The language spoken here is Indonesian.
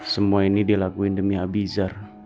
semua ini dilakuin demi habizar